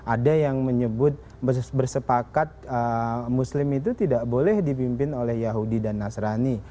ada yang menyebut bersepakat muslim itu tidak boleh dipimpin oleh yahudi dan nasrani